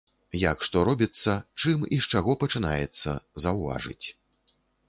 Як што робіцца, чым і з чаго пачынаецца, заўважыць.